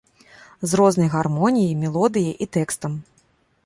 З рознай гармоніяй, мелодыяй і тэкстам.